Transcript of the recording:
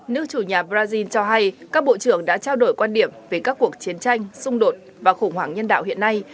nước chủ nhà brazil cho hay các bộ trưởng đã trao đổi quan điểm về các cuộc chiến tranh xung đột và khủng hoảng nhân đạo hiện nay